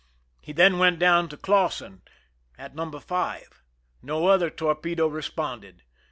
He then went down to Clausen at No. 5. No other torpedo responded.